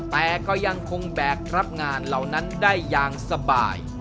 แต่ก็ยังคงแบกรับงานเหล่านั้นได้อย่างสบาย